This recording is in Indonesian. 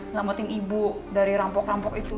selamatin ibu dari rampok rampok itu